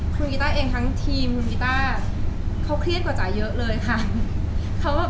คุณกิต้าเองคนทีมมีการก็เครียดกว่าจ๋าเยอะเลยค่ะ